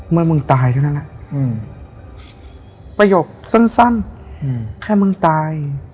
เมื่อมึงตายเท่านั้นแหละประโยคสั้นแค่มึงตาย